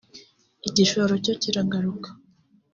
igishoro cyo kiragaruka